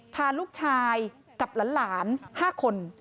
พาลูกชายกับหลาน๕คน